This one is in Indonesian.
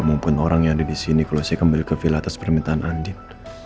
maupun orang yang ada di sini kalau saya kembali ke villa atas permintaan andi